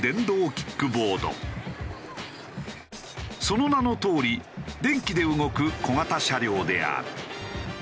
その名のとおり電気で動く小型車両である。